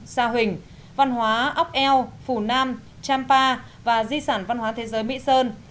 sa huỳnh văn hóa ốc eo phù nam champa và di sản văn hóa thế giới mỹ sơn